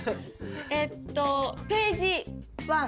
えっとページワン。